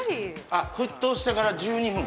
あっ沸騰してから１２分？